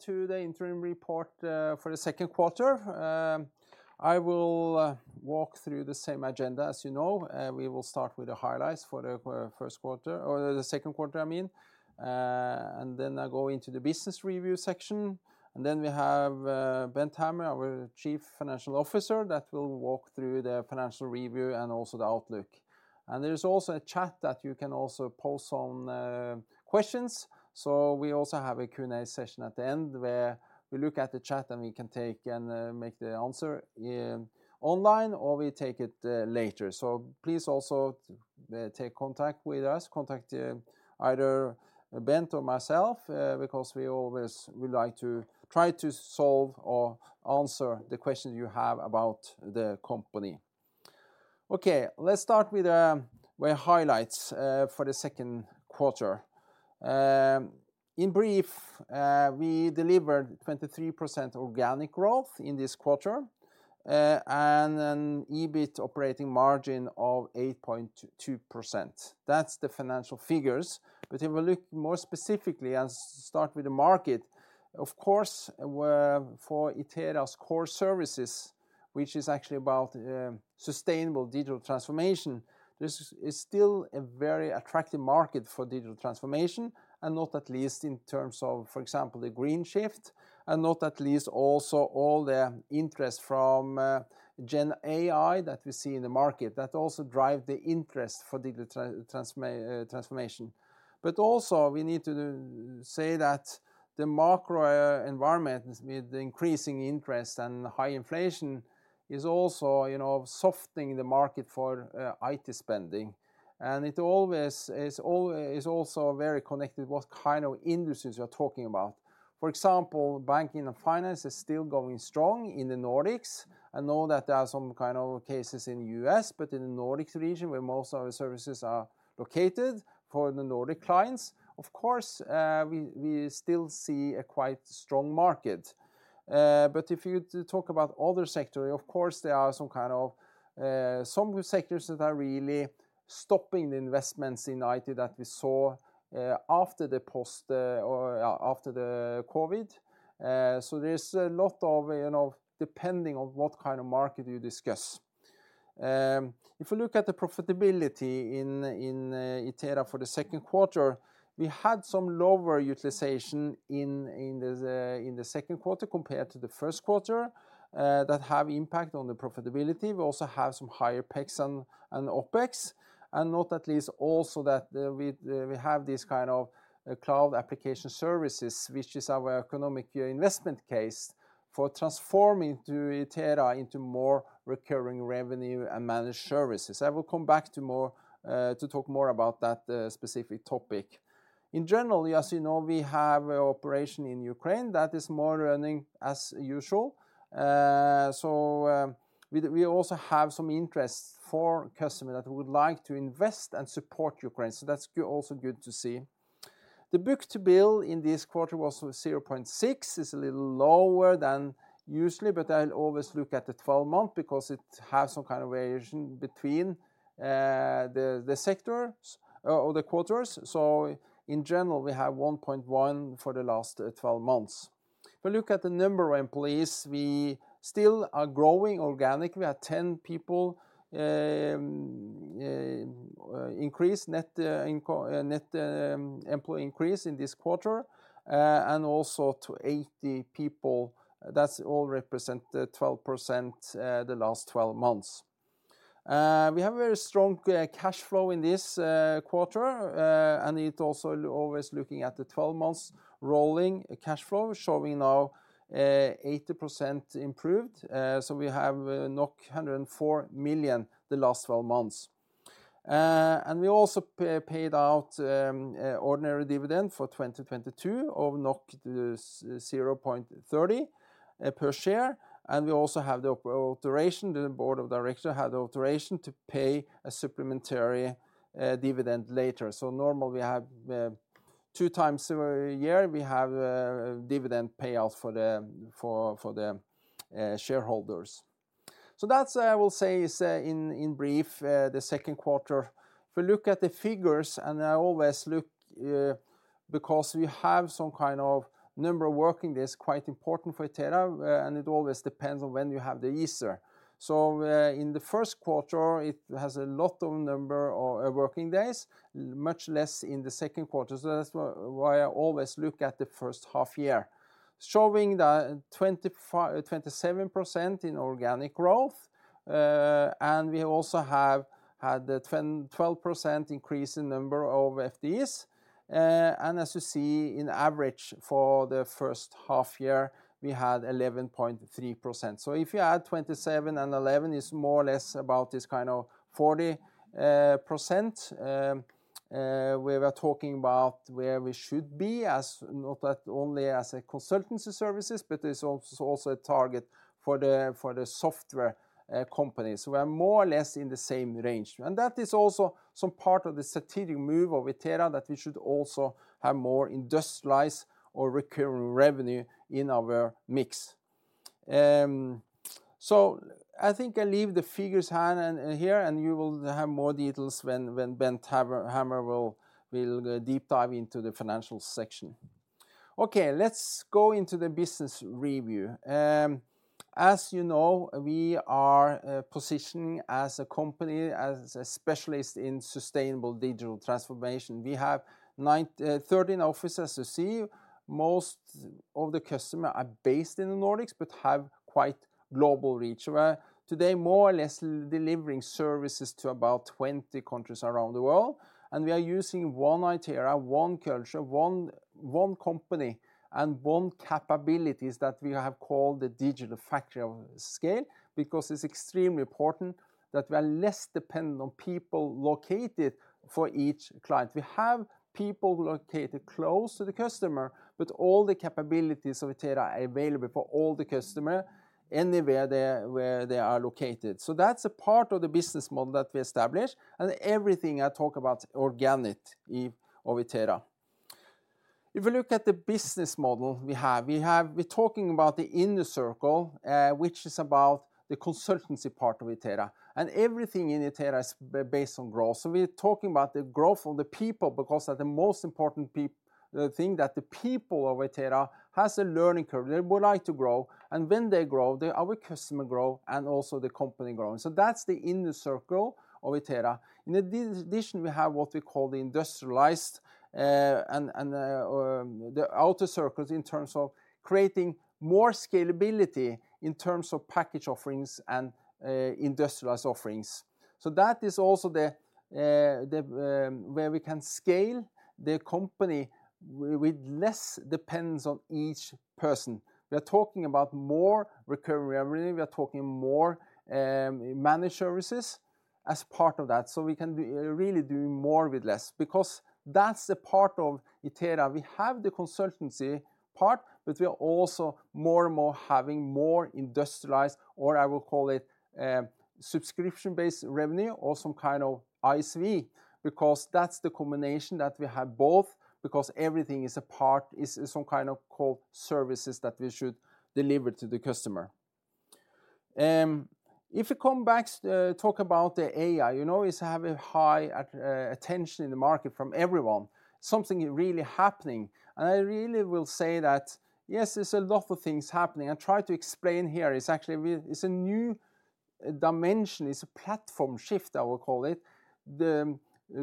To the interim report for the Q2. I will walk through the same agenda as you know, and we will start with the highlights for the Q1, or the Q2, I mean. And then I go into the business review section, and then we have Bent Hammer, our Chief Financial Officer, that will walk through the financial review and also the outlook. And there's also a chat that you can also post on questions. So we also have a Q&A session at the end, where we look at the chat, and we can take and make the answer online, or we take it later. So please also take contact with us. Contact either Bent or myself, because we always we like to try to solve or answer the questions you have about the company. Okay, let's start with the highlights for the Q2. In brief, we delivered 23% organic growth in this quarter, and an EBIT operating margin of 8.2%. That's the financial figures. But if we look more specifically and start with the market, of course, for Itera's core services, which is actually about sustainable digital transformation, this is still a very attractive market for digital transformation, and not at least in terms of, for example, the green shift, and not at least also all the interest from Gen AI that we see in the market that also drive the interest for digital transformation. But also`, we need to say that the macro environment, with the increasing interest and high inflation, is also, you know, softening the market for IT spending. And it always is also very connected what kind of industries you're talking about. For example, banking and finance is still going strong in the Nordics. I know that there are some kind of cases in U.S., but in the Nordics region, where most of our services are located for the Nordic clients, of course, we still see a quite strong market. But if you talk about other sector, of course, there are some kind of, some sectors that are really stopping the investments in IT that we saw, after the post, or after the COVID. So there's a lot of, you know, depending on what kind of market you discuss. If you look at the profitability in Itera for the Q2, we had some lower utilization in the Q2 compared to the Q1, that have impact on the profitability. We also have some higher OpEx and OpEx, and not at least also that, we have this kind of cloud application services, which is our economic year investment case for transforming to Itera into more recurring revenue and managed services. I will come back to more, to talk more about that specific topic. In general, as you know, we have an operation in Ukraine that is more running as usual. So, we also have some interest for customer that would like to invest and support Ukraine, so that's also good to see. The book-to-bill in this quarter was 0.6, is a little lower than usually, but I'll always look at the 12-month because it has some kind of variation between the sectors or the quarters. So in general, we have 1.1 for the last 12 months. If you look at the number of employees, we still are growing organically. We are 10 people increase net employee increase in this quarter, and also to 80 people. That's all represent 12%, the last 12 months. We have a very strong cash flow in this quarter, and it also always looking at the 12 months rolling cash flow, showing now 80% improved. So we have 104 million the last 12 months. And we also paid out ordinary dividend for 2022 of 0.30 per share, and we also have the authorization, the board of directors had the authorization to pay a supplementary dividend later. So normally, we have two times a year, we have dividend payout for the shareholders. So that's, I will say, in brief, the Q2. If you look at the figures, and I always look because we have some kind of number of working days, quite important for Itera, and it always depends on when you have the Easter. So in the Q1, it has a lot of number of working days, much less in the Q2. So that's why I always look at the first half year, showing that 27% in organic growth, and we also have had the 12% increase in number of FTEs. And as you see, in average for the first half year, we had 11.3%. So if you add 27 and 11, is more or less about this kind of 40%. We were talking about where we should be, as not at only as a consultancy services, but is also, also a target for the, for the software companies. So we are more or less in the same range. And that is also some part of the strategic move of Itera, that we should also have more industrialized or recurring revenue in our mix.... So I think I leave the figures hand and here, and you will have more details when Bent Hammer will deep dive into the financial section. Okay, let's go into the business review. As you know, we are positioned as a company, as a specialist in sustainable digital transformation. We have 13 offices. You see, most of the customer are based in the Nordics, but have quite global reach. We're today more or less delivering services to about 20 countries around the world, and we are using one Itera, one culture, one company, and one capabilities that we have called the Digital Factory of Scale, because it's extremely important that we are less dependent on people located for each client. We have people located close to the customer, but all the capabilities of Itera are available for all the customer, anywhere they're where they are located. So that's a part of the business model that we established, and everything I talk about organic in, of Itera. If you look at the business model we have, we have, we're talking about the inner circle, which is about the consultancy part of Itera, and everything in Itera is based on growth. So we're talking about the growth of the people because they are the most important thing, that the people of Itera has a learning curve. They would like to grow, and when they grow, the our customer grow and also the company growing. So that's the inner circle of Itera. In addition, we have what we call the industrialized and the outer circles in terms of creating more scalability in terms of package offerings and industrialized offerings. So that is also where we can scale the company with less depends on each person. We are talking about more recurring revenue. We are talking more managed services as part of that. So we can really do more with less because that's the part of Itera. We have the consultancy part, but we are also more and more having more industrialized, or I will call it, subscription-based revenue or some kind of ISV, because that's the combination that we have both, because everything is a part, some kind of core services that we should deliver to the customer. If you come back to talk about the AI, you know, it's have a high attention in the market from everyone, something really happening. And I really will say that, yes, there's a lot of things happening. I try to explain here, it's actually a new dimension. It's a platform shift, I will call it,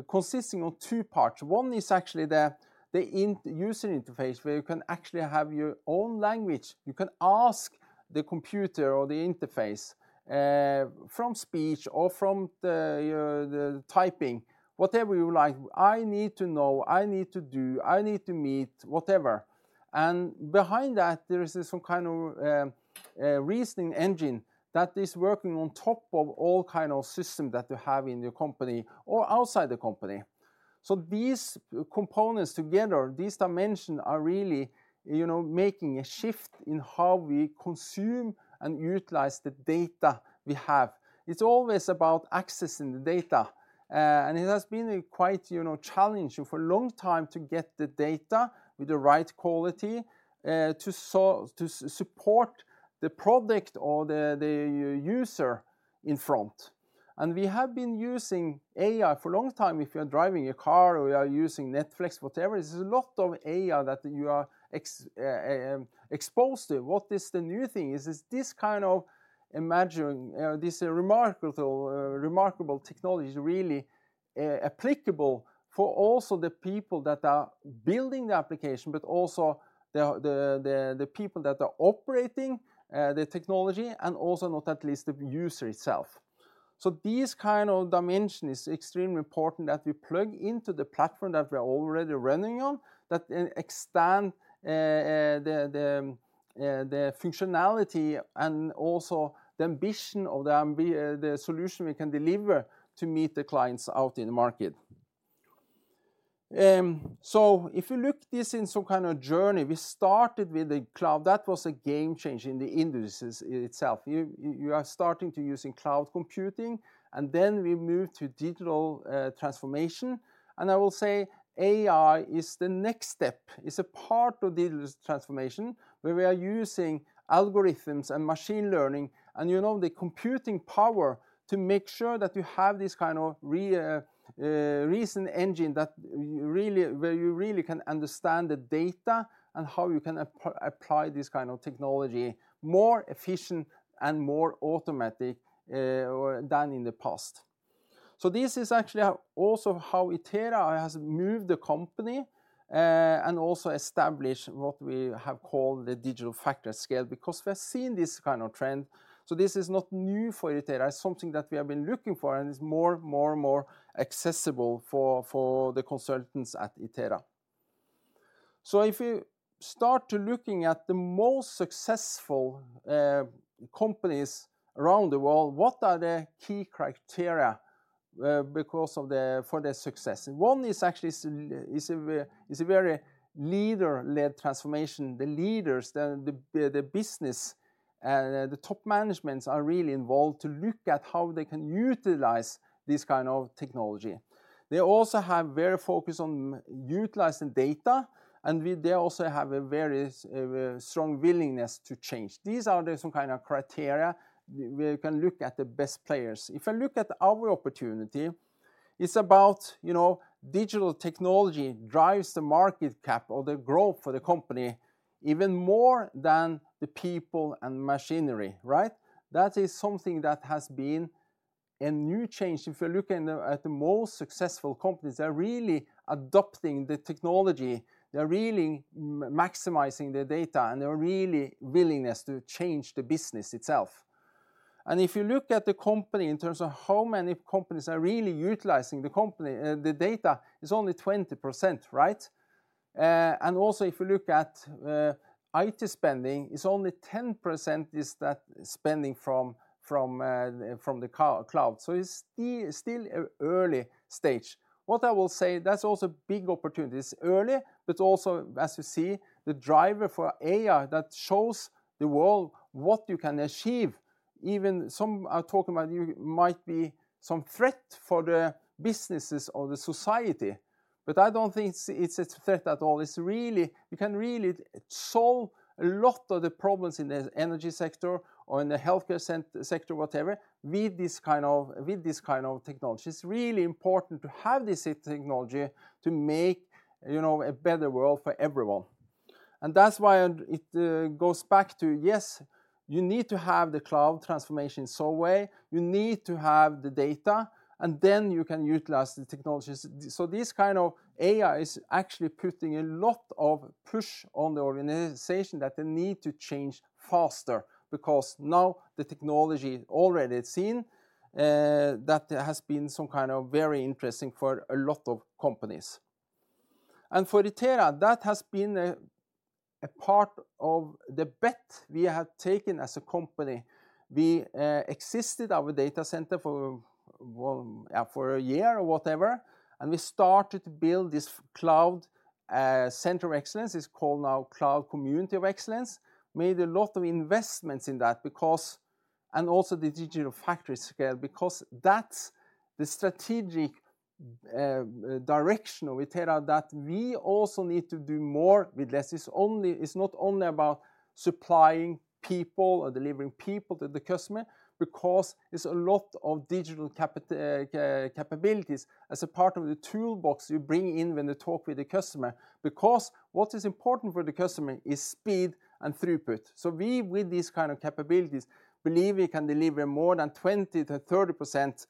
consisting of two parts. One is actually the user interface, where you can actually have your own language. You can ask the computer or the interface from speech or from the typing, whatever you like. I need to know, I need to do, I need to meet, whatever. And behind that, there is some kind of reasoning engine that is working on top of all kind of system that you have in your company or outside the company. So these components together, these dimensions are really, you know, making a shift in how we consume and utilize the data we have. It's always about accessing the data, and it has been quite, you know, challenging for a long time to get the data with the right quality, to support the product or the user in front. And we have been using AI for a long time. If you are driving a car, or you are using Netflix, whatever, there's a lot of AI that you are exposed to. What is the new thing is this kind of imagining, this remarkable, remarkable technology is really, applicable for also the people that are building the application, but also the people that are operating the technology, and also, not at least, the user itself. So these kind of dimension is extremely important that we plug into the platform that we're already running on, that expand the functionality and also the ambition, or the solution we can deliver to meet the clients out in the market. So if you look this in some kind of journey, we started with the cloud. That was a game changer in the industries itself. You are starting to using cloud computing, and then we moved to digital transformation, and I will say AI is the next step. It's a part of digital transformation, where we are using algorithms and machine learning and, you know, the computing power to make sure that you have this kind of reason engine that really where you really can understand the data and how you can apply this kind of technology, more efficient and more automatic than in the past. So this is actually how, also how Itera has moved the company and also established what we have called the Digital Factory at Scale, because we have seen this kind of trend. So this is not new for Itera. It's something that we have been looking for, and it's more, more and more accessible for, for the consultants at Itera. So if you start to looking at the most successful companies around the world, what are the key criteria for their success? One is actually a very leader-led transformation. The leaders, the business, the top managements are really involved to look at how they can utilize this kind of technology. They also have very focused on utilizing data, and they also have a very strong willingness to change. These are some kind of criteria where you can look at the best players. If I look at our opportunity... It's about, you know, digital technology drives the market cap or the growth for the company even more than the people and machinery, right? That is something that has been a new change. If you look at the most successful companies, they're really adopting the technology, they're really maximizing the data, and they're really willingness to change the business itself. If you look at the company in terms of how many companies are really utilizing the company, the data, it's only 20%, right? And also, if you look at IT spending, it's only 10% is that spending from the cloud. So it's still an early stage. What I will say, that's also big opportunities. Early, but also, as you see, the driver for AI that shows the world what you can achieve. Even some are talking about you might be some threat for the businesses or the society, but I don't think it's a threat at all. It's really you can really solve a lot of the problems in the energy sector or in the healthcare sector, whatever, with this kind of technology. It's really important to have this technology to make, you know, a better world for everyone. And that's why it goes back to, yes, you need to have the cloud transformation somewhere, you need to have the data, and then you can utilize the technologies. So this kind of AI is actually putting a lot of push on the organization that they need to change faster, because now the technology already seen that has been some kind of very interesting for a lot of companies. And for Itera, that has been a part of the bet we have taken as a company. We existed our data center for, well, for a year or whatever, and we started to build this cloud center of excellence, it's called now Cloud Community of Excellence. Made a lot of investments in that because... Also the Digital Factory at Scale, because that's the strategic direction of Itera, that we also need to do more with less. It's not only about supplying people or delivering people to the customer, because it's a lot of digital capabilities as a part of the toolbox you bring in when you talk with the customer. Because what is important for the customer is speed and throughput. So we, with these kind of capabilities, believe we can deliver more than 20%-30%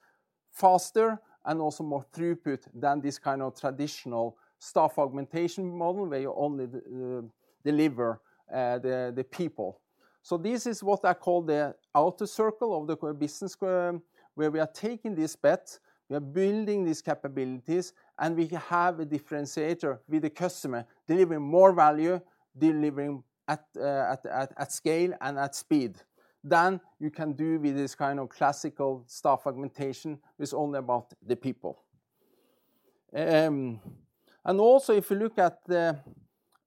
faster and also more throughput than this kind of traditional staff augmentation model, where you only deliver the people. So this is what I call the outer circle of the core business, where we are taking this bet, we are building these capabilities, and we have a differentiator with the customer, delivering more value, delivering at scale and at speed than you can do with this kind of classical staff augmentation, it's only about the people. And also, if you look at the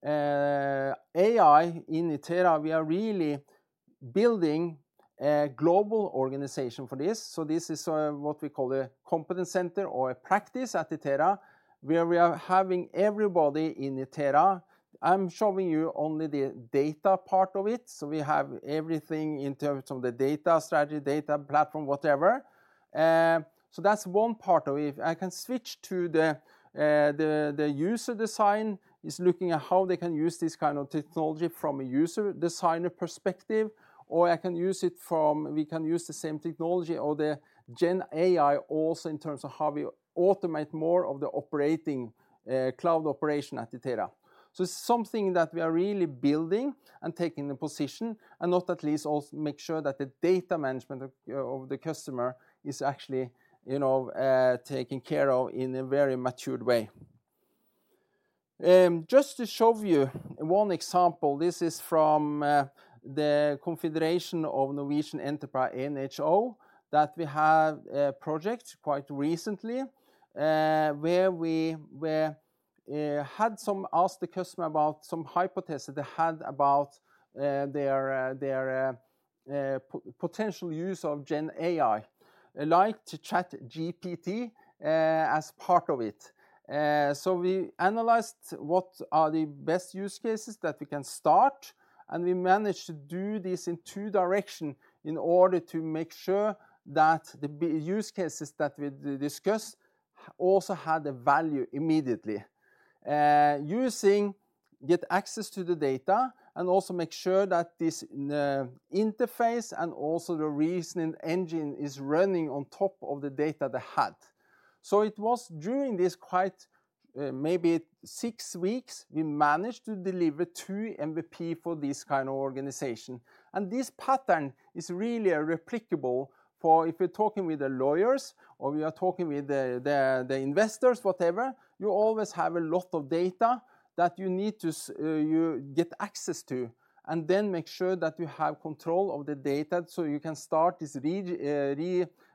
AI in Itera, we are really building a global organization for this. So this is what we call a competence center or a practice at Itera, where we are having everybody in Itera. I'm showing you only the data part of it, so we have everything in terms of the data strategy, data platform, whatever. So that's one part of it. I can switch to the user design is looking at how they can use this kind of technology from a user designer perspective, or I can use it from—we can use the same technology or the gen AI also in terms of how we automate more of the operating cloud operation at Itera. So it's something that we are really building and taking the position, and not at least also make sure that the data management of the customer is actually, you know, taken care of in a very matured way. Just to show you one example, this is from the Confederation of Norwegian Enterprise, NHO, that we had a project quite recently, where we had asked the customer about some hypothesis they had about their potential use of Gen AI, like to ChatGPT, as part of it. So we analyzed what are the best use cases that we can start, and we managed to do this in two direction in order to make sure that the use cases that we discuss also had a value immediately. Using get access to the data, and also make sure that this interface and also the reasoning engine is running on top of the data they had. So it was during this quite, maybe six weeks, we managed to deliver two MVP for this kind of organization. This pattern is really replicable for if you're talking with the lawyers or we are talking with the investors, whatever, you always have a lot of data that you need to get access to, and then make sure that you have control of the data, so you can start this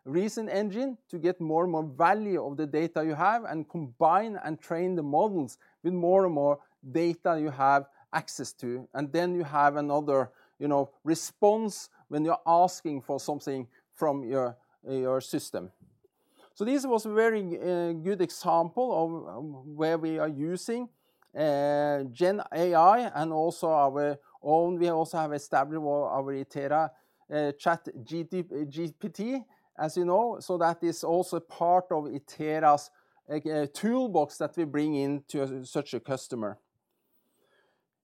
reason engine to get more and more value of the data you have, and combine and train the models with more and more data you have access to. Then you have another, you know, response when you're asking for something from your system. This was a very good example of where we are using Gen AI and also our own... We also have established our Itera ChatGPT, as you know, so that is also part of Itera's toolbox that we bring in to such a customer.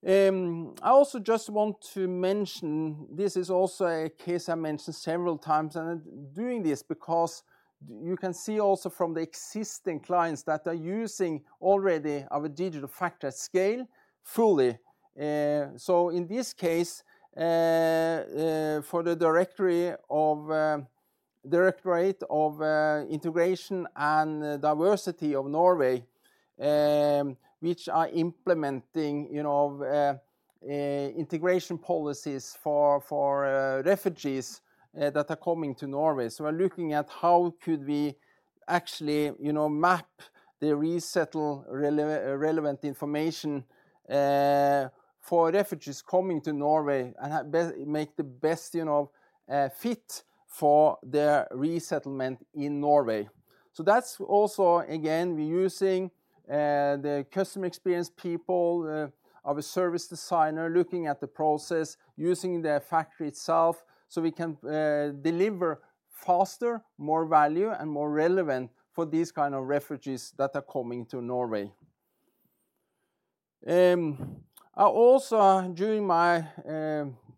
I also just want to mention, this is also a case I mentioned several times, and I'm doing this because you can see also from the existing clients that are using already our Digital Factory at Scale fully. So in this case, for the Directorate of Integration and Diversity of Norway, which are implementing, you know, integration policies for refugees that are coming to Norway. So we're looking at how could we actually, you know, map the relevant information for refugees coming to Norway, and make the best, you know, fit for their resettlement in Norway. So that's also, again, we're using the customer experience people of a service designer, looking at the process, using the factory itself, so we can deliver faster, more value, and more relevant for these kind of refugees that are coming to Norway. I also, during my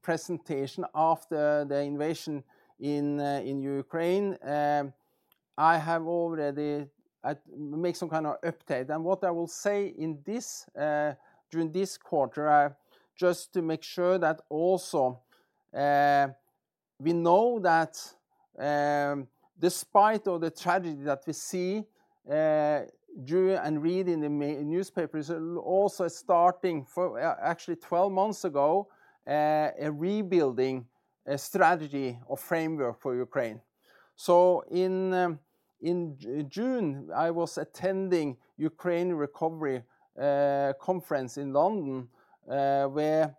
presentation after the invasion in Ukraine, I have already make some kind of update. And what I will say in this during this quarter, just to make sure that also we know that, despite all the tragedy that we see during and read in the main newspapers, also starting for actually twelve months ago, a rebuilding a strategy or framework for Ukraine. So in June, I was attending Ukraine Recovery conference in London, where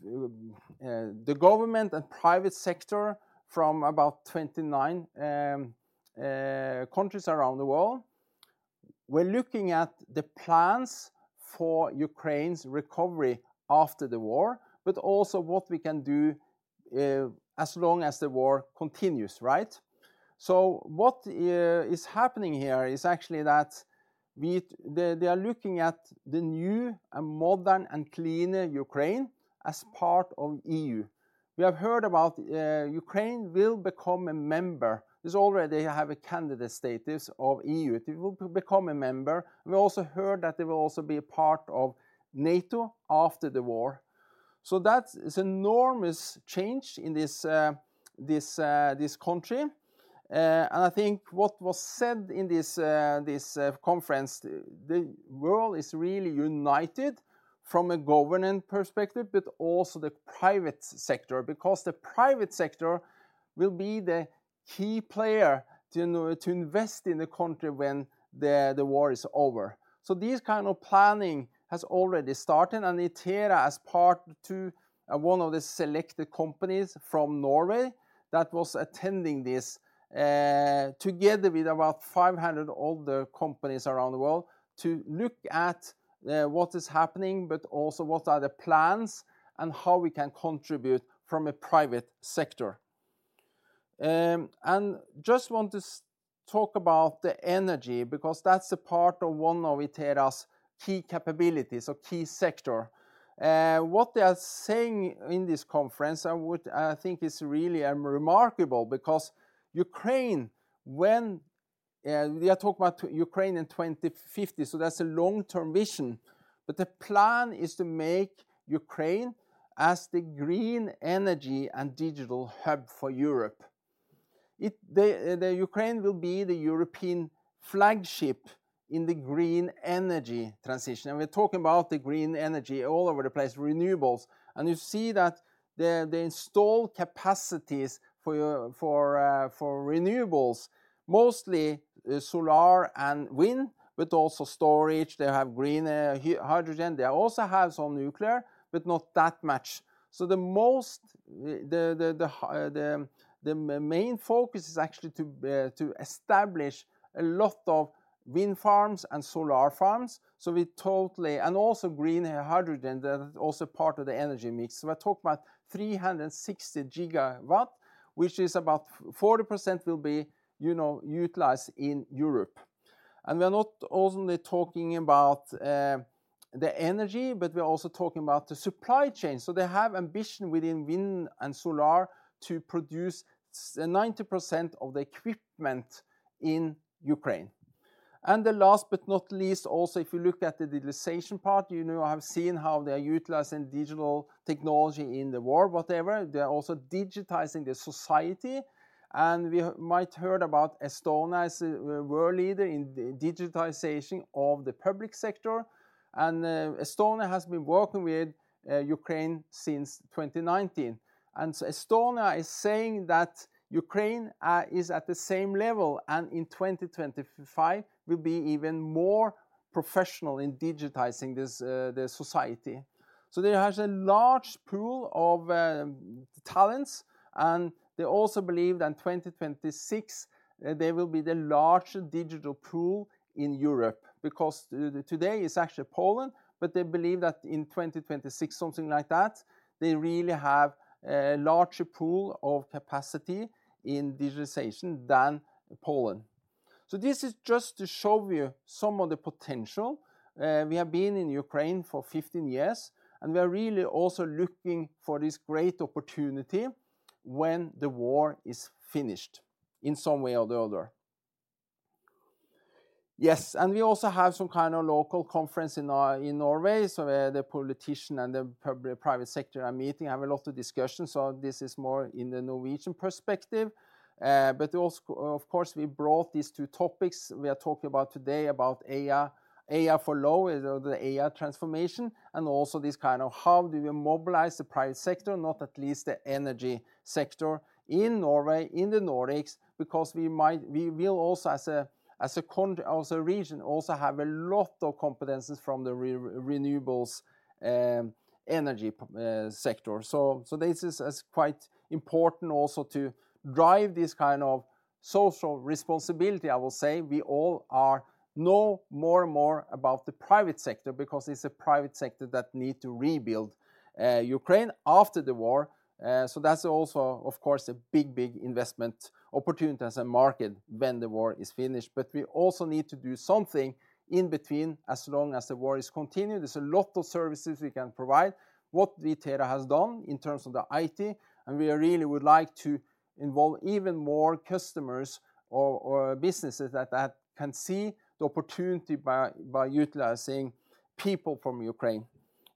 the government and private sector from about 29 countries around the world were looking at the plans for Ukraine's recovery after the war, but also what we can do as long as the war continues, right? So what is happening here is actually that they are looking at the new and modern and cleaner Ukraine as part of EU. We have heard about Ukraine will become a member. It's already have a candidate status of EU. It will become a member. We also heard that they will also be a part of NATO after the war. So that is enormous change in this country. I think what was said in this conference, the world is really united from a government perspective, but also the private sector, because the private sector will be the key player to invest in the country when the war is over. So these kind of planning has already started, and Itera as part to one of the selected companies from Norway that was attending this, together with about 500 other companies around the world, to look at what is happening, but also what are the plans and how we can contribute from a private sector. And just want to talk about the energy, because that's a part of one of Itera's key capabilities or key sector. What they are saying in this conference, and what I think is really remarkable, because Ukraine, when we are talking about Ukraine in 2050, so that's a long-term vision, but the plan is to make Ukraine as the green energy and digital hub for Europe. The Ukraine will be the European flagship in the green energy transition, and we're talking about the green energy all over the place, renewables, and you see that the installed capacities for renewables, mostly solar and wind, but also storage. They have green hydrogen. They also have some nuclear, but not that much. So the main focus is actually to establish a lot of wind farms and solar farms, so we totally... Also green hydrogen, that is also part of the energy mix. So we're talking about 360 GW, which is about 40% will be, you know, utilized in Europe. And we are not only talking about the energy, but we're also talking about the supply chain. So they have ambition within wind and solar to produce 90% of the equipment in Ukraine. And the last but not least, also, if you look at the digitization part, you know, I have seen how they are utilizing digital technology in the war, whatever. They are also digitizing the society, and we might have heard about Estonia as a world leader in the digitization of the public sector, and Estonia has been working with Ukraine since 2019. And so Estonia is saying that Ukraine is at the same level, and in 2025, will be even more professional in digitizing this, the society. So there is a large pool of talents, and they also believe that in 2026, they will be the largest digital pool in Europe, because today it's actually Poland, but they believe that in 2026, something like that, they really have a larger pool of capacity in digitization than Poland. So this is just to show you some of the potential. We have been in Ukraine for 15 years, and we are really also looking for this great opportunity when the war is finished in some way or the other. Yes, and we also have some kind of local conference in in Norway. So, the politician and the public-private sector are meeting, have a lot of discussions, so this is more in the Norwegian perspective. But also, of course, we brought these two topics we are talking about today, about AI, AI for low, the AI transformation, and also this kind of how do we mobilize the private sector, not least the energy sector, in Norway, in the Nordics, because we will also as a country, as a region, also have a lot of competencies from the renewables energy sector. So this is quite important also to drive this kind of social responsibility, I will say. We all are know more and more about the private sector because it's a private sector that need to rebuild Ukraine after the war. So that's also, of course, a big, big investment opportunity as a market when the war is finished. But we also need to do something in between as long as the war is continued. There's a lot of services we can provide, what Itera has done in terms of the IT, and we really would like to involve even more customers or businesses that can see the opportunity by utilizing people from Ukraine.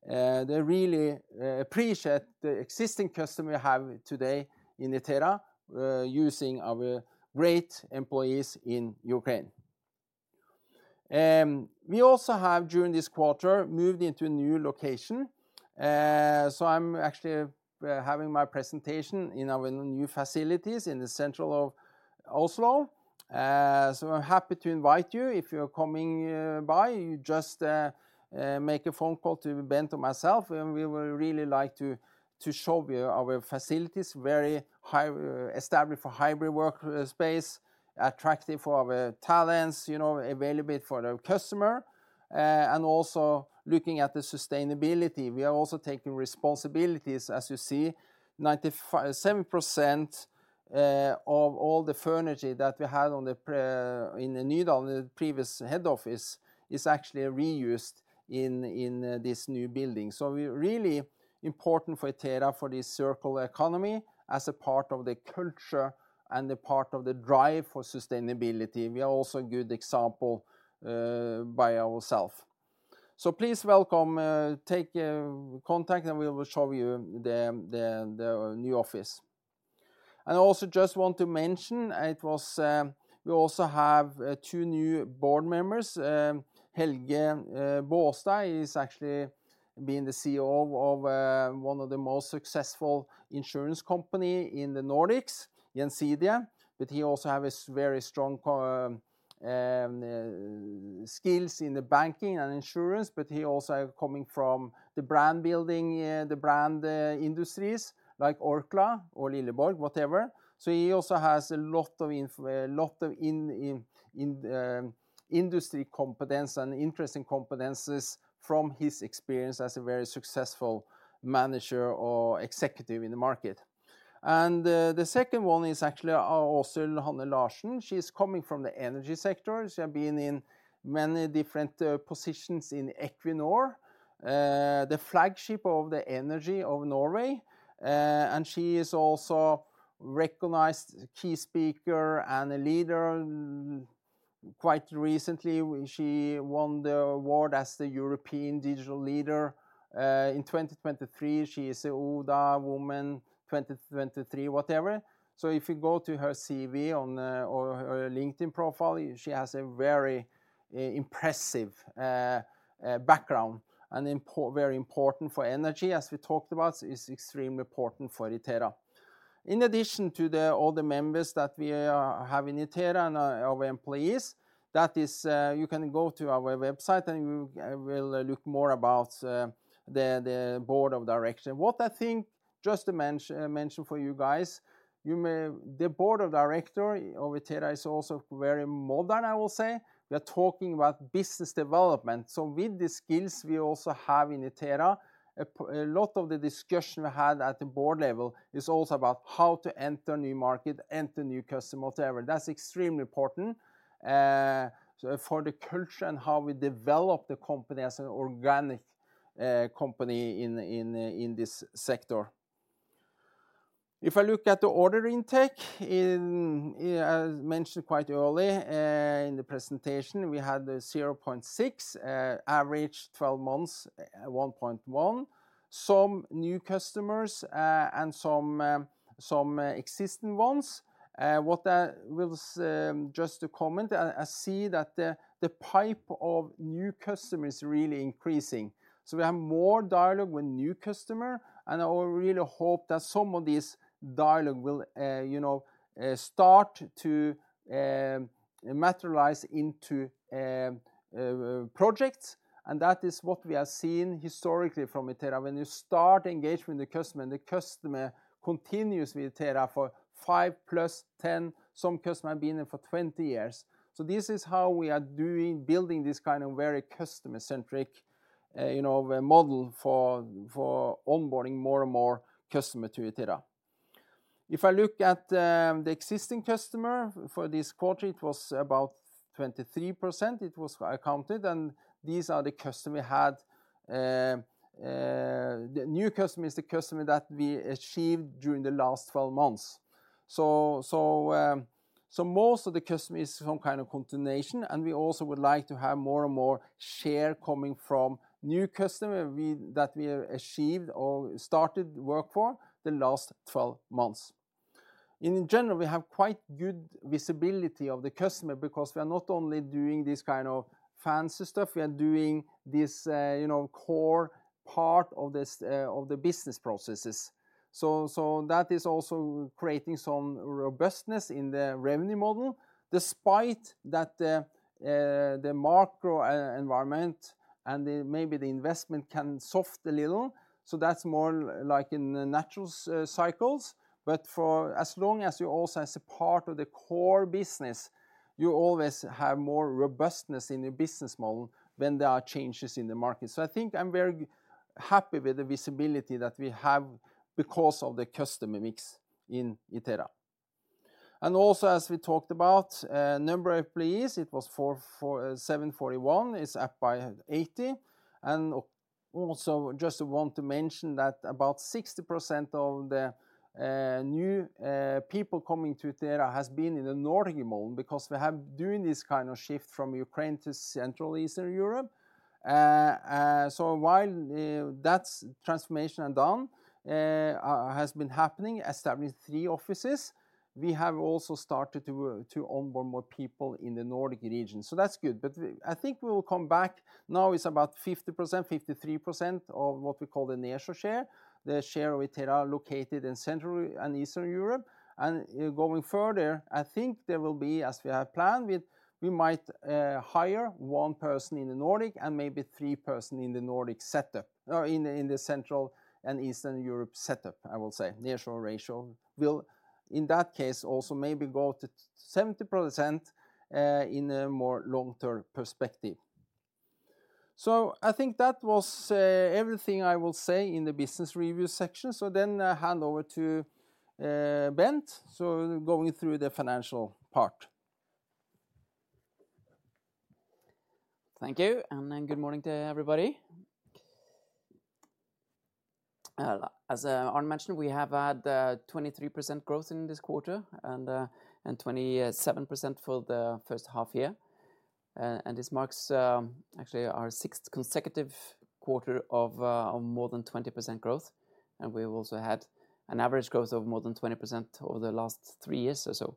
They really appreciate the existing customer we have today in Itera using our great employees in Ukraine. We also have, during this quarter, moved into a new location. So I'm actually having my presentation in our new facilities in central Oslo. So I'm happy to invite you. If you're coming by, you just make a phone call to Bent or myself, and we will really like to show you our facilities, very high established for hybrid work space, attractive for our talents, you know, available for the customer, and also looking at the sustainability. We are also taking responsibilities, as you see, 70% of all the furniture that we had in the Nydalen, the previous head office, is actually reused in this new building. So we really important for Itera, for this circular economy as a part of the culture and a part of the drive for sustainability. We are also a good example by ourself. So please welcome, take contact, and we will show you the new office. I also just want to mention, we also have two new board members. Helge Baastad is actually being the CEO of one of the most successful insurance company in the Nordics, Gjensidige, but he also have a very strong skills in the banking and insurance, but he also coming from the brand building, the brand industries like Orkla or Lilleborg, whatever. So he also has a lot of industry competence and interesting competencies from his experience as a very successful manager or executive in the market. And the second one is actually Åshild Hanne Larsen. She's coming from the energy sector. She has been in many different positions in Equinor, the flagship of the energy of Norway, and she is also recognized key speaker and a leader. Quite recently, she won the award as the European Digital Leader in 2023. She is a ODA woman, 2023, whatever. So if you go to her CV on or her LinkedIn profile, she has a very impressive background, and important, very important for energy, as we talked about, is extremely important for Itera. In addition to all the members that we have in Itera and our employees, that is, you can go to our website, and you will look more about the board of directors. What I think, just to mention for you guys, you may the board of director of Itera is also very modern, I will say. We're talking about business development. So with the skills we also have in Itera, a lot of the discussion we had at the board level is also about how to enter new market, enter new customer, whatever. That's extremely important, so for the culture and how we develop the company as an organic company in this sector. If I look at the order intake, as mentioned quite early in the presentation, we had the 0.6 average 12 months, 1.1. Some new customers, and some existing ones. What I will just to comment, I see that the pipe of new customers is really increasing. So we have more dialogue with new customer, and I really hope that some of this dialogue will, you know, start to materialize into projects, and that is what we have seen historically from Itera. When you start engagement with the customer, and the customer continues with Itera for 5 + 10, some customer have been there for 20 years. So this is how we are doing, building this kind of very customer-centric, you know, model for onboarding more and more customer to Itera. If I look at the existing customer for this quarter, it was about 23%, it was accounted and these are the customer we had. The new customers, the customer that we achieved during the last 12 months. So most of the customers is some kind of continuation, and we also would like to have more and more share coming from new customer we that we have achieved or started work for the last twelve months. In general, we have quite good visibility of the customer because we are not only doing this kind of fancy stuff, we are doing this, you know, core part of this, of the business processes. So that is also creating some robustness in the revenue model, despite that the the macro environment and the maybe the investment can soft a little. So that's more like in the natural cycles, but for as long as you also as a part of the core business, you always have more robustness in your business model when there are changes in the market. So I think I'm very happy with the visibility that we have because of the customer mix in Itera. And also, as we talked about, number of employees, it was 4,741, is up by 80. And also just want to mention that about 60% of the new people coming to Itera has been in the Nordic model, because we have doing this kind of shift from Ukraine to Central and Eastern Europe. So while that transformation has been happening, established three offices, we have also started to onboard more people in the Nordic region, so that's good. But I think we will come back. Now, it's about 50%, 53% of what we call the nearshore share, the share of Itera located in Central and Eastern Europe. Going further, I think there will be, as we have planned, we might hire one person in the Nordic and maybe three person in the Nordic setup. In the Central and Eastern Europe setup, I will say. Nearshore ratio will, in that case, also maybe go to 70%, in a more long-term perspective. So I think that was everything I will say in the business review section. So then I hand over to Bent, so going through the financial part. Thank you, and then good morning to everybody. As Arne mentioned, we have had 23% growth in this quarter and 27% for the first half year. This marks actually our sixth consecutive quarter of more than 20% growth, and we've also had an average growth of more than 20% over the last 3 years or so.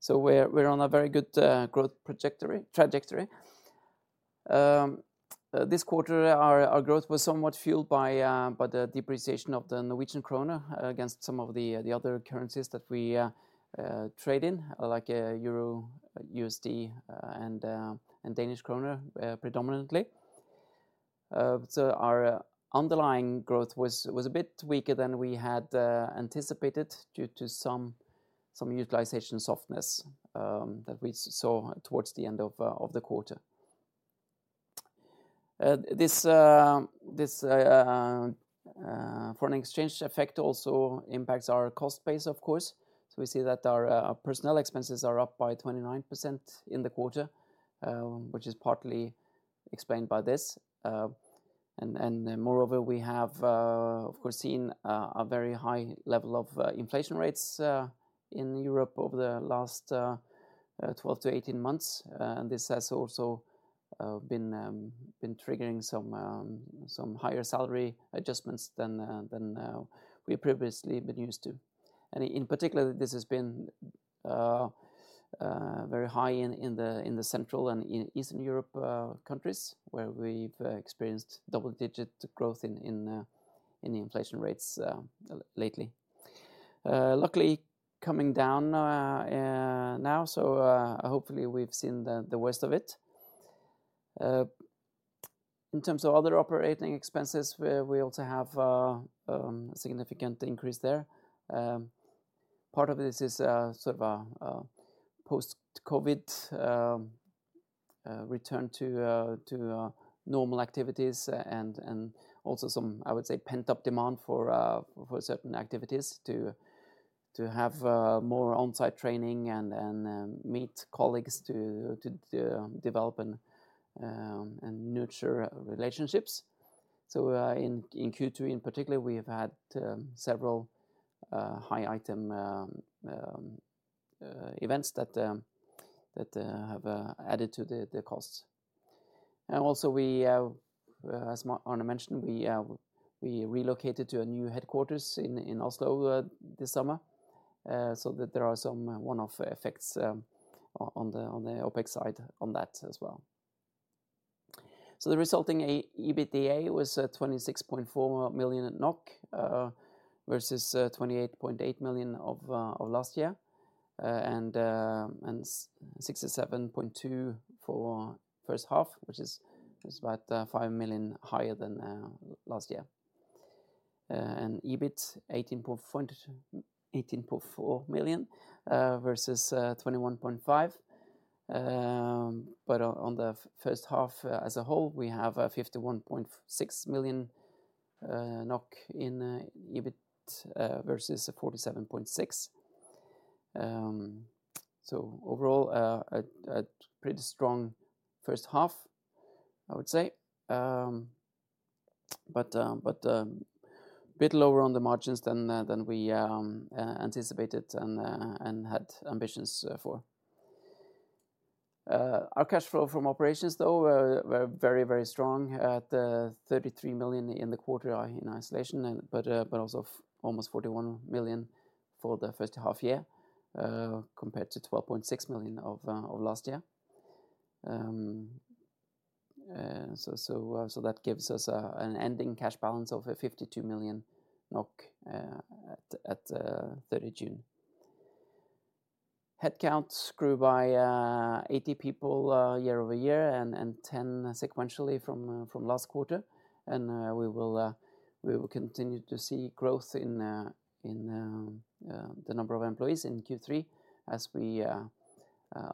So we're on a very good growth trajectory. This quarter, our growth was somewhat fueled by the depreciation of the Norwegian kroner against some of the other currencies that we trade in, like Euro, USD, and Danish Kroner, predominantly. So our underlying growth was a bit weaker than we had anticipated due to some utilization softness that we saw towards the end of the quarter. This foreign exchange effect also impacts our cost base, of course. So we see that our personnel expenses are up by 29% in the quarter, which is partly explained by this. And moreover, we have, of course, seen a very high level of inflation rates in Europe over the last 12-18 months. And this has also been triggering some higher salary adjustments than we previously been used to. In particular, this has been very high in the Central and Eastern Europe countries, where we've experienced double-digit growth in the inflation rates lately. Luckily, coming down now, so hopefully, we've seen the worst of it. In terms of other operating expenses, we also have a significant increase there. Part of this is sort of a post-COVID return to normal activities and also some, I would say, pent-up demand for certain activities to have more on-site training and meet colleagues to develop and nurture relationships. So, in Q2, in particular, we've had several high item events that have added to the costs. And also we, as Arne mentioned, we relocated to a new headquarters in Oslo this summer, so that there are some one-off effects on the OpEx side on that as well. So the resulting EBITDA was 26.4 million NOK versus 28.8 million of last year, and 67.2 million for first half, which is it's about 5 million higher than last year. And EBIT, 18.4 million versus 21.5 million. But on the first half as a whole, we have 51.6 million NOK in EBIT versus 47.6 million NOK. So overall, a pretty strong first half, I would say. But a bit lower on the margins than we anticipated and had ambitions for. Our cash flow from operations, though, were very strong at 33 million NOK in the quarter in isolation, and but also almost 41 million NOK for the first half year compared to 12.6 million NOK of last year. So that gives us an ending cash balance of 52 million NOK at 30 June. Headcount grew by 80 people year-over-year, and 10 sequentially from last quarter. And we will continue to see growth in the number of employees in Q3 as we,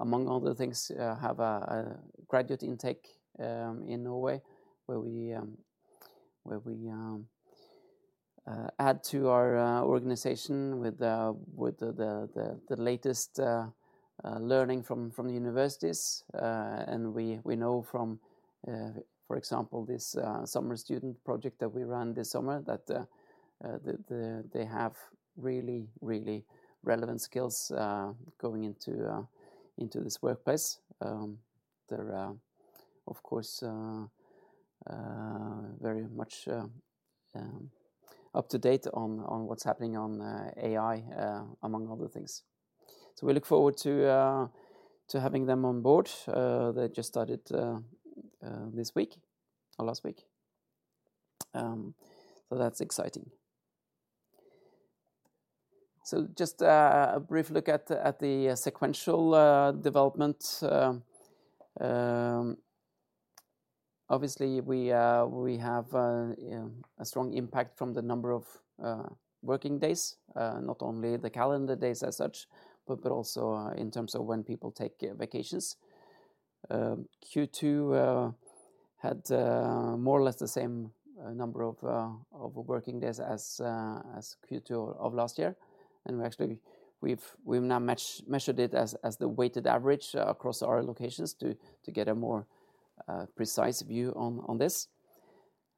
among other things, have a graduate intake in Norway, where we add to our organization with the latest learning from the universities. And we know from, for example, this summer student project that we ran this summer, that they have really, really relevant skills going into this workplace. They're of course very much up to date on what's happening on AI, among other things. So we look forward to having them on board. They just started this week or last week. So that's exciting. So just a brief look at the sequential development. Obviously we have a strong impact from the number of working days, not only the calendar days as such, but also in terms of when people take vacations. Q2 had more or less the same number of working days as Q2 of last year. And we actually, we've now measured it as the weighted average across our locations to get a more precise view on this.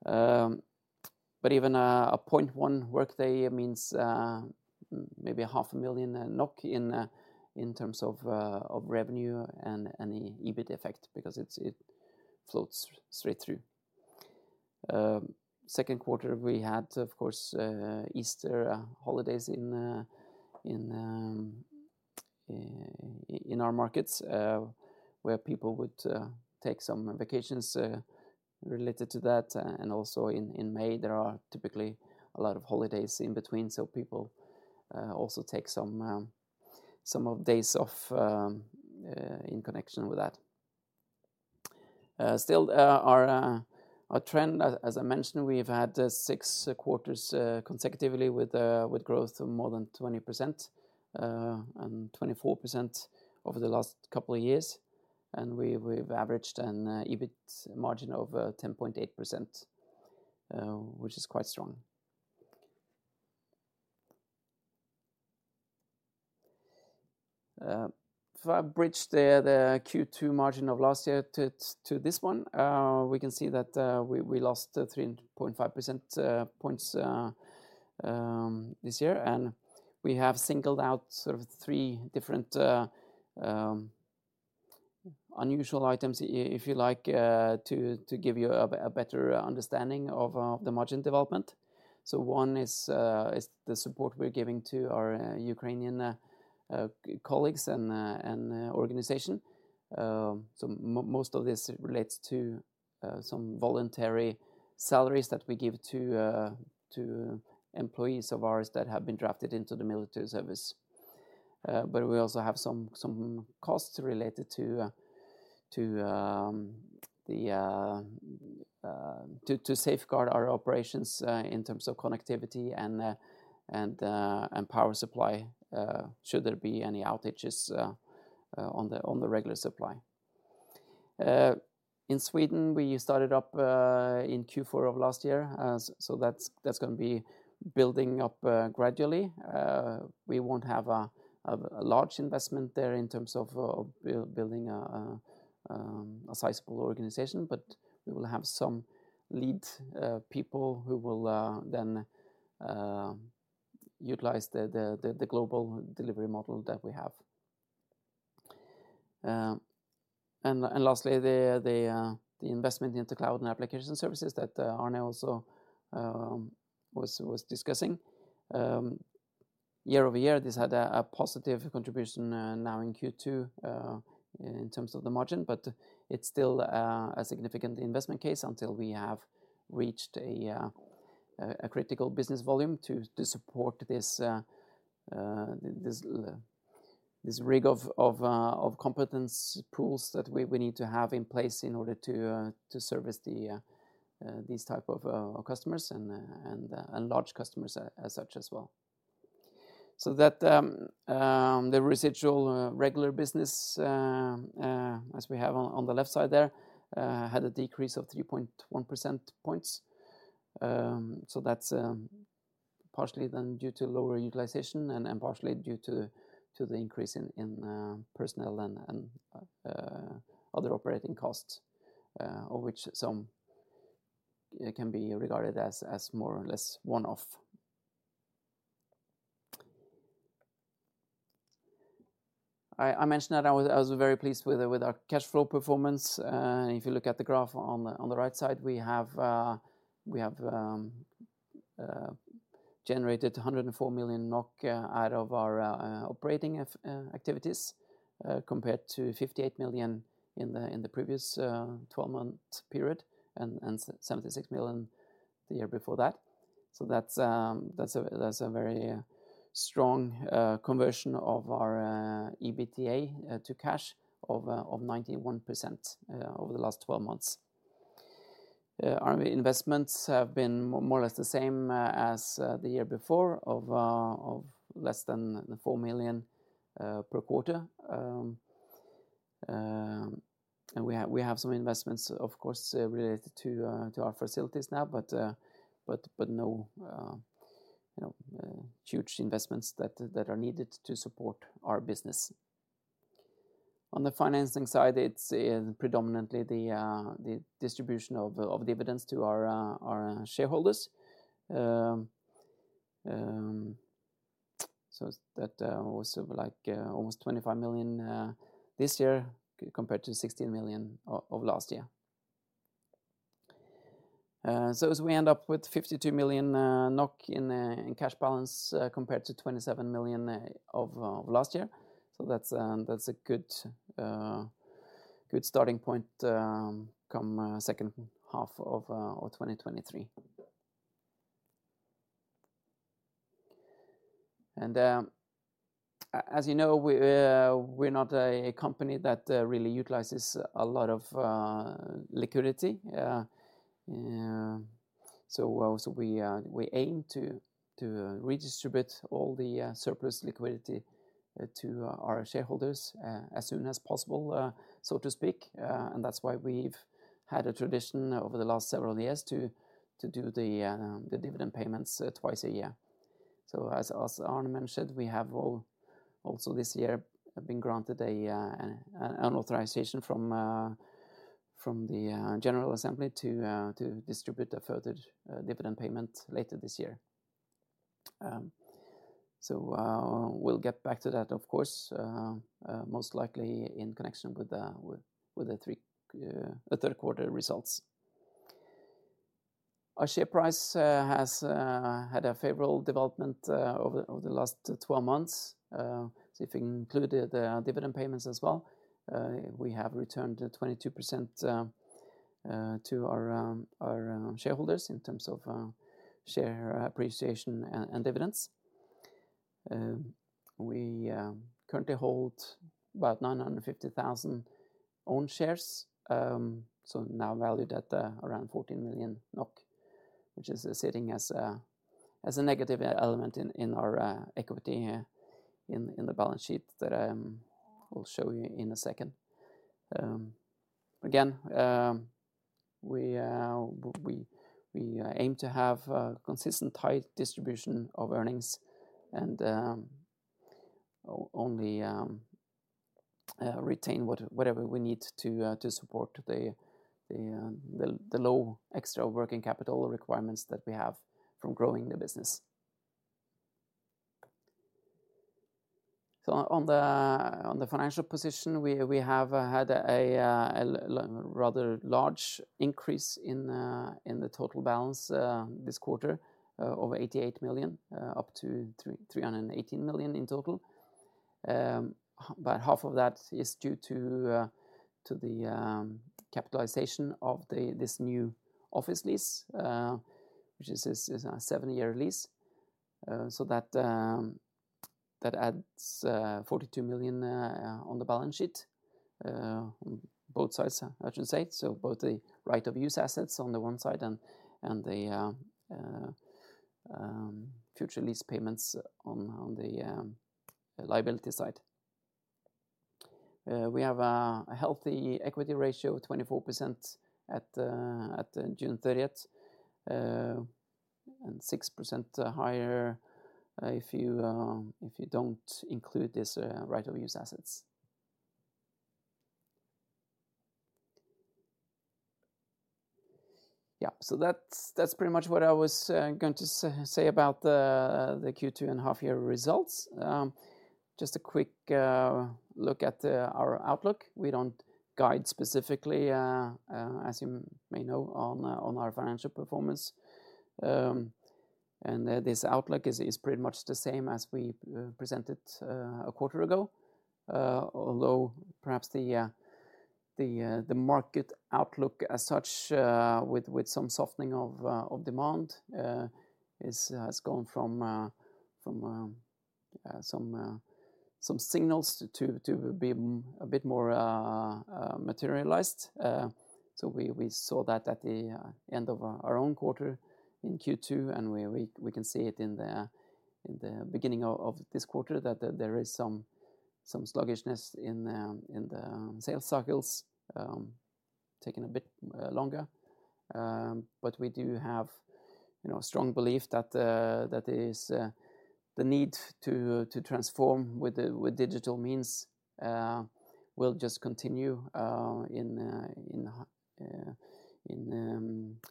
But even a 0.1 workday means maybe 500,000 NOK in terms of revenue and any EBIT effect, because it floats straight through. Q2, we had, of course, Easter holidays in our markets, where people would take some vacations related to that. And also in May, there are typically a lot of holidays in between, so people also take some days off in connection with that. Still, our trend, as I mentioned, we've had 6 quarters consecutively with growth of more than 20%, and 24% over the last couple of years. We've averaged an EBIT margin of 10.8%, which is quite strong. If I bridge the Q2 margin of last year to this one, we can see that we lost 3.5 percentage points this year. We have singled out sort of three different unusual items, if you like, to give you a better understanding of the margin development. One is the support we're giving to our Ukrainian colleagues and organization. Most of this relates to some voluntary salaries that we give to employees of ours that have been drafted into the military service. But we also have some costs related to to safeguard our operations in terms of connectivity and power supply, should there be any outages on the regular supply. In Sweden, we started up in Q4 of last year, so that's going to be building up gradually. We won't have a large investment there in terms of building a sizable organization, but we will have some lead people who will then utilize the global delivery model that we have. And lastly, the investment into cloud and application services that Arne also was discussing. Year-over-year, this had a positive contribution now in Q2 in terms of the margin, but it's still a significant investment case until we have reached a critical business volume to support this rig of competence pools that we need to have in place in order to service these type of customers and large customers as such as well. So that, the residual regular business as we have on the left side there had a decrease of 3.1 percentage points. So that's partially then due to lower utilization and partially due to the increase in personnel and other operating costs, of which some can be regarded as more or less one-off. I mentioned that I was very pleased with our cash flow performance. And if you look at the graph on the right side, we have generated 104 million NOK out of our operating activities, compared to 58 million in the previous twelve-month period, and 76 million the year before that. So that's a very strong conversion of our EBITDA to cash of 91% over the last twelve months. Our investments have been more or less the same, as the year before, of less than 4 million NOK per quarter. And we have some investments, of course, related to our facilities now, but no, you know, huge investments that are needed to support our business. On the financing side, it's predominantly the distribution of dividends to our shareholders. So that was of like almost 25 million NOK this year, compared to 16 million NOK of last year. So as we end up with 52 million NOK in cash balance, compared to 27 million NOK of last year. So that's a good starting point, second half of 2023. And as you know, we're not a company that really utilizes a lot of liquidity. So we aim to redistribute all the surplus liquidity to our shareholders as soon as possible, so to speak. And that's why we've had a tradition over the last several years to do the dividend payments twice a year. So as Arne mentioned, we have also this year been granted an authorization from the general assembly to distribute a further dividend payment later this year. So, we'll get back to that, of course, most likely in connection with the Q3 results. Our share price has had a favorable development over the last 12 months. So if you include the dividend payments as well, we have returned 22% to our shareholders in terms of share appreciation and dividends. We currently hold about 950,000 own shares, so now valued at around 14 million NOK, which is sitting as a negative element in our equity in the balance sheet that I'll show you in a second. Again, we aim to have a consistent, high distribution of earnings and only retain whatever we need to support the low extra working capital requirements that we have from growing the business. So on the financial position, we have had a rather large increase in the total balance this quarter, over 88 million up to 318 million in total. About half of that is due to the capitalization of this new office lease, which is a seven-year lease. So that adds 42 million on the balance sheet, on both sides, I should say. So both the right of use assets on the one side and the future lease payments on the liability side. We have a healthy equity ratio, 24% at June 30, and 6% higher if you don't include this right of use assets. Yeah, so that's pretty much what I was going to say about the Q2 and half year results. Just a quick look at our outlook. We don't guide specifically, as you may know, on our financial performance. And this outlook is pretty much the same as we presented a quarter ago. Although perhaps the market outlook as such, with some softening of demand, has gone from some signals to be a bit more materialized. So we saw that at the end of our own quarter in Q2, and we can see it in the beginning of this quarter, that there is some sluggishness in the sales cycles taking a bit longer. But we do have, you know, a strong belief that the need to transform with digital means will just continue in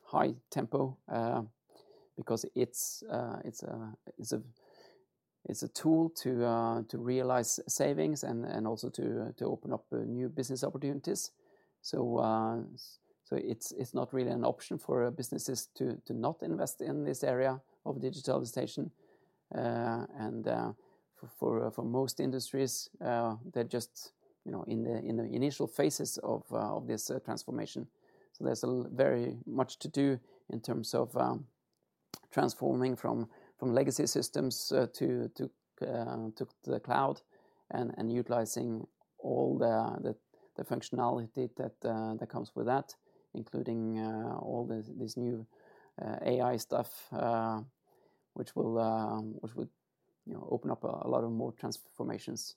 high tempo. Because it's a tool to realize savings and also to open up new business opportunities. So it's not really an option for businesses to not invest in this area of digitalization. And for most industries, they're just, you know, in the initial phases of this transformation. So there's very much to do in terms of transforming from legacy systems to the cloud, and utilizing all the functionality that comes with that, including all this new AI stuff, which would, you know, open up a lot more transformations.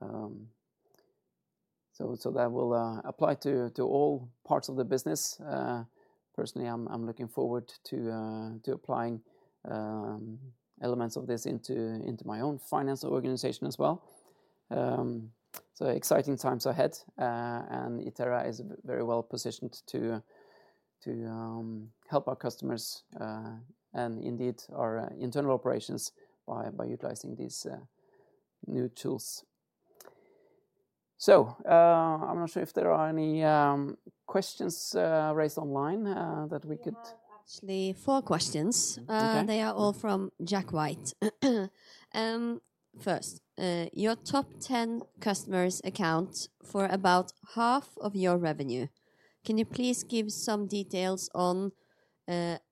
So that will apply to all parts of the business. Personally, I'm looking forward to applying elements of this into my own finance organization as well. So exciting times ahead, and Itera is very well positioned to help our customers and indeed our internal operations by utilizing these new tools. So, I'm not sure if there are any questions raised online that we could- We have actually four questions. Okay. They are all from Jack White. First, your top 10 customers account for about half of your revenue. Can you please give some details on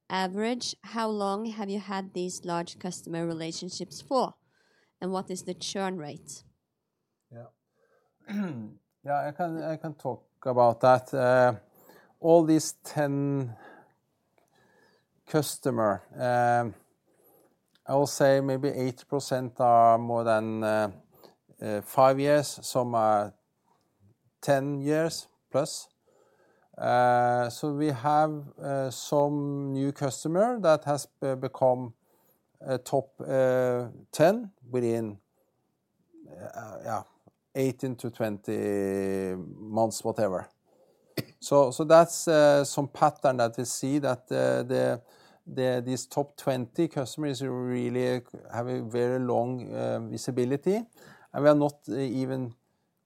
average, how long have you had these large customer relationships for, and what is the churn rate? Yeah. Yeah, I can, I can talk about that. All these 10 customers, I will say maybe 80% are more than 5 years, some are 10 years plus. So we have some new customer that has become a top 10 within, yeah, 18-20 months, whatever. So that's some pattern that we see, that these top 20 customers really have a very long visibility, and we are not even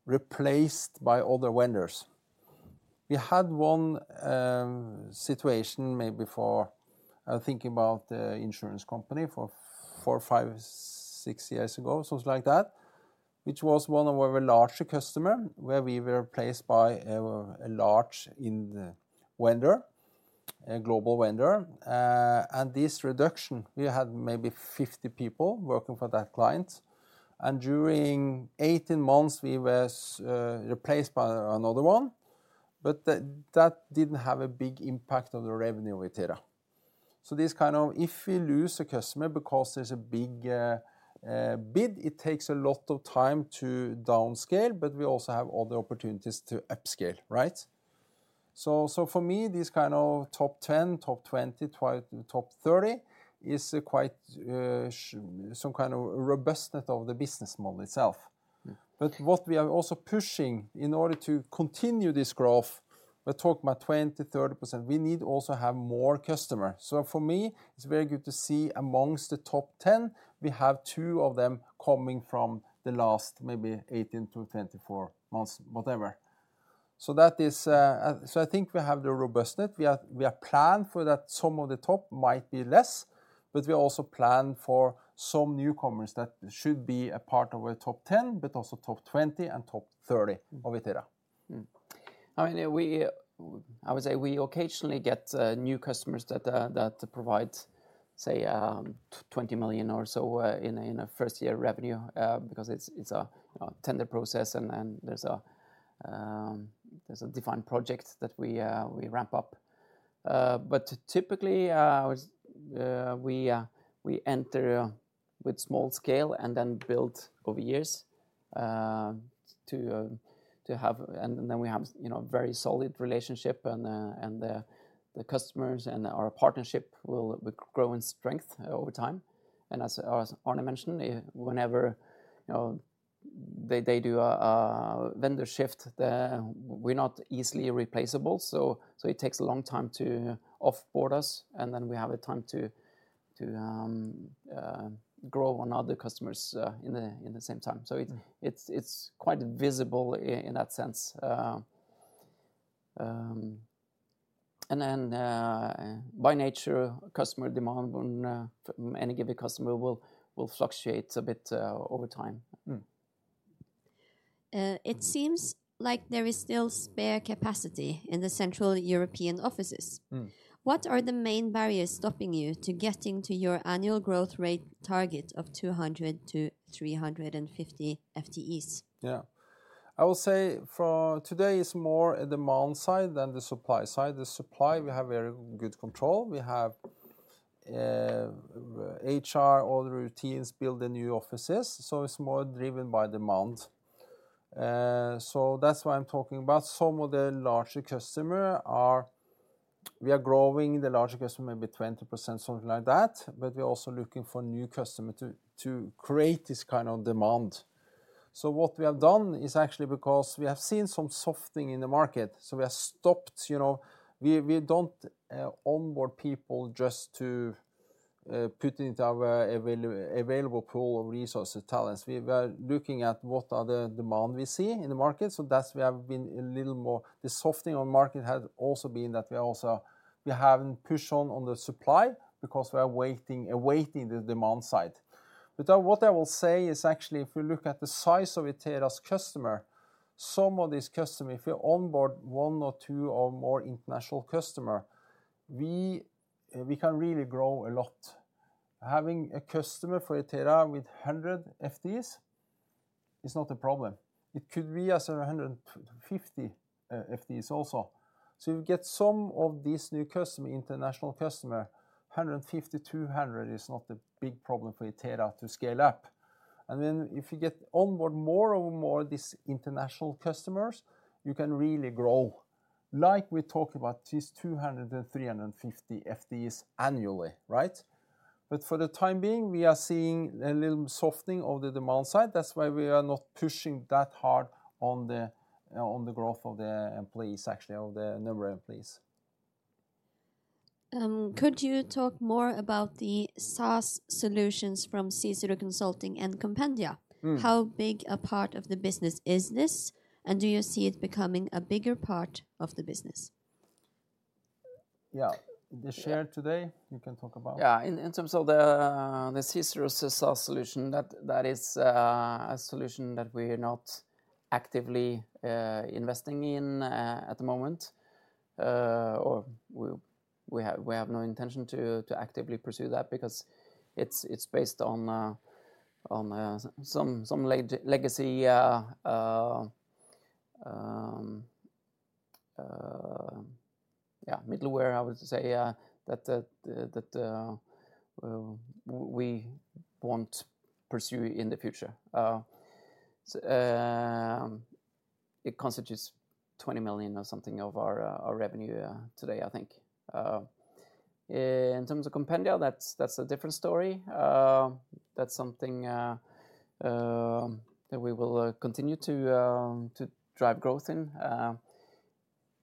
replaced by other vendors. We had one situation maybe before, I'm thinking about the insurance company 4-6 years ago, something like that, which was one of our larger customer, where we were replaced by a large Indian vendor, a global vendor. And this reduction, we had maybe 50 people working for that client, and during 18 months, we was replaced by another one, but that didn't have a big impact on the revenue of Itera. So this kind of... If we lose a customer because there's a big bid, it takes a lot of time to downscale, but we also have other opportunities to upscale, right? So for me, this kind of top 10, top 20, top 30 is quite some kind of robustness of the business model itself. Mm. But what we are also pushing, in order to continue this growth, we're talking about 20%-30%, we need also have more customers. So for me, it's very good to see among the top 10, we have two of them coming from the last maybe 18-24 months, whatever. So that is, so I think we have the robustness. We have, we have planned for that some of the top might be less, but we also plan for some newcomers that should be a part of our top 10, but also top 20 and top 30- Mm... of Itera. I mean, we, I would say we occasionally get new customers that that provide, say, 20 million or so in a first year revenue because it's a tender process and then there's a defined project that we we ramp up. But typically we enter with small scale and then build over years to to have... And then we have, you know, a very solid relationship, and the customers and our partnership will grow in strength over time. And as Arne mentioned, whenever, you know, they do a vendor shift, we're not easily replaceable, so it takes a long time to off-board us, and then we have a time to grow on other customers, in the same time. So it's quite visible in that sense. And then, by nature, customer demand from any given customer will fluctuate a bit, over time. Mm.... It seems like there is still spare capacity in the Central European offices. Mm. What are the main barriers stopping you to getting to your annual growth rate target of 200-350 FTEs? Yeah. I will say for today is more the demand side than the supply side. The supply, we have very good control. We have HR, all the routines, build the new offices, so it's more driven by demand. So that's why I'm talking about some of the larger customer are— We are growing the larger customer, maybe 20%, something like that, but we're also looking for new customer to create this kind of demand. So what we have done is actually because we have seen some softening in the market, so we have stopped, you know, we don't onboard people just to put into our available pool of resources, talents. We were looking at what are the demand we see in the market, so that's we have been a little more... The softening of market has also been that we also, we haven't pushed on the supply because we are waiting, awaiting the demand side. But what I will say is actually, if we look at the size of Itera's customer, some of these customers, if we onboard one or two or more international customers, we can really grow a lot. Having a customer for Itera with 100 FTEs is not a problem. It could be as 150 FTEs also. So you get some of these new customers, international customers, 150, 200 is not a big problem for Itera to scale up. And then if you get onboard more and more of these international customers, you can really grow, like we talk about these 200 and 350 FTEs annually, right? But for the time being, we are seeing a little softening of the demand side. That's why we are not pushing that hard on the growth of the employees, actually, of the number of employees. Could you talk more about the SaaS solutions from Cicero Consulting and Compendia? Mm. How big a part of the business is this, and do you see it becoming a bigger part of the business? Yeah, the share today, you can talk about. Yeah, in terms of the Cicero SaaS solution, that is a solution that we're not actively investing in at the moment. Or we have no intention to actively pursue that because it's based on some legacy middleware, I would say, that we won't pursue in the future. So, it constitutes 20 million or something of our revenue today, I think. In terms of Compendia, that's a different story. That's something that we will continue to drive growth in.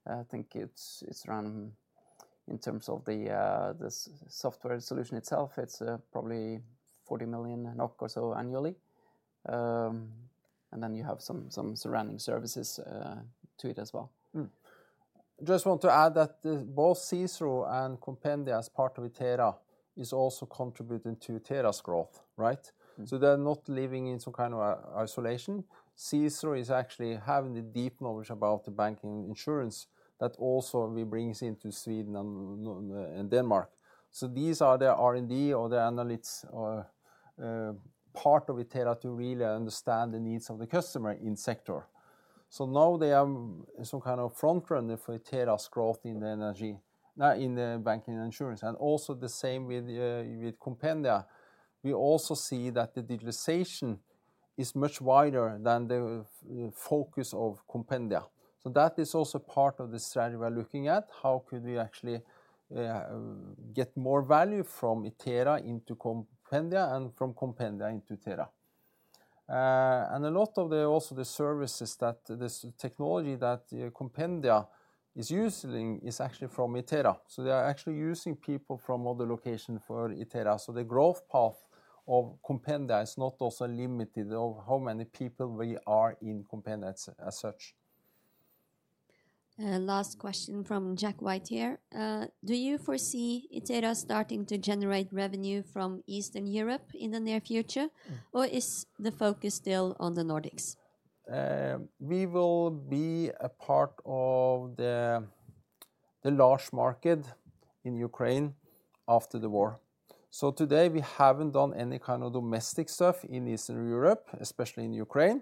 I think it's around, in terms of the software solution itself, it's probably 40 million or so annually. And then you have some surrounding services to it as well. Just want to add that the both Cicero and Compendia as part of Itera is also contributing to Itera's growth, right? Mm. So they're not living in some kind of isolation. Cicero is actually having the deep knowledge about the banking insurance that also we brings into Sweden and, and Denmark. So these are the R&D or the analytics, part of Itera to really understand the needs of the customer in sector. So now they are some kind of front runner for Itera's growth in the energy... in the banking and insurance, and also the same with, with Compendia. We also see that the digitalization is much wider than the, focus of Compendia. So that is also part of the strategy we are looking at, how could we actually, get more value from Itera into Compendia and from Compendia into Itera? And a lot of the, also the services that this technology that Compendia is using is actually from Itera. They are actually using people from other location for Itera. The growth path of Compendia is not also limited of how many people we are in Compendia as such. Last question from Jack White here. Do you foresee Itera starting to generate revenue from Eastern Europe in the near future? Mm. or is the focus still on the Nordics? We will be a part of the, the large market in Ukraine after the war. So today we haven't done any kind of domestic stuff in Eastern Europe, especially in Ukraine.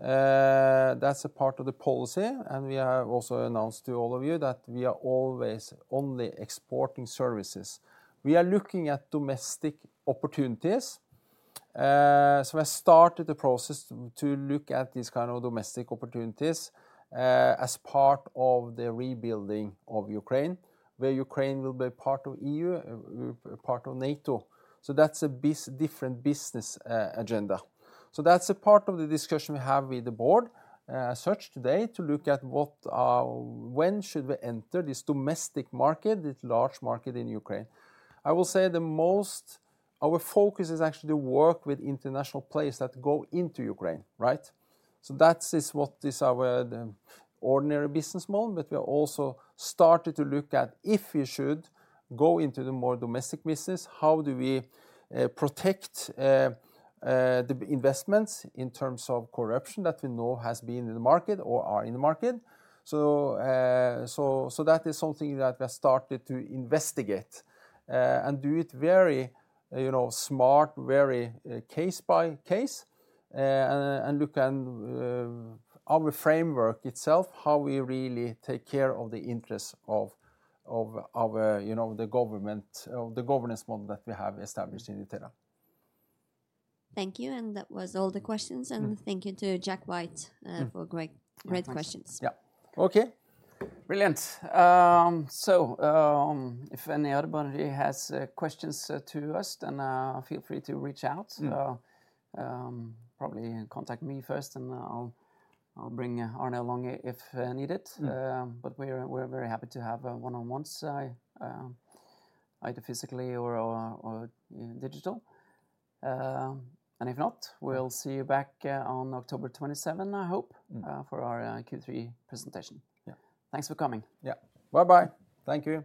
That's a part of the policy, and we have also announced to all of you that we are always only exporting services. We are looking at domestic opportunities, so we started the process to look at these kind of domestic opportunities, as part of the rebuilding of Ukraine, where Ukraine will be part of EU, part of NATO. So that's a different business agenda. So that's a part of the discussion we have with the board, as such today, to look at what, when should we enter this domestic market, this large market in Ukraine. I will say the most, our focus is actually to work with international players that go into Ukraine, right? So that is what is our, the ordinary business model, but we are also started to look at if we should go into the more domestic business, how do we, protect, the investments in terms of corruption that we know has been in the market or are in the market? So, so, so that is something that we have started to investigate, and do it very, you know, smart, very, case by case, and look at, our framework itself, how we really take care of the interests of, of our, you know, the government or the governance model that we have established in Itera. Thank you, and that was all the questions, and thank you to Jack White, for great, great questions. Yeah. Okay. Brilliant. If anybody has questions to us, then feel free to reach out. Mm. Probably contact me first, and I'll bring Arne along if needed. Mm. But we're very happy to have one-on-ones, either physically or digital. And if not, we'll see you back on October 27, I hope. Mm... for our Q3 presentation. Yeah. Thanks for coming. Yeah. Bye-bye. Thank you.